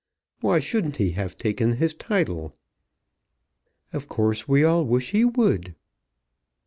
Why shouldn't he have taken his title?" "Of course we all wish he would."